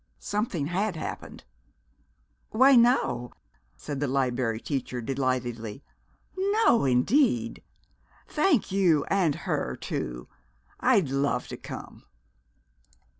Something had happened! "Why, no!" said the Liberry Teacher delightedly. "No, indeed! Thank you, and her, too. I'd love to come."